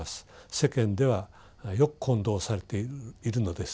世間ではよく混同されているのです。